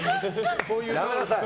やめなさい！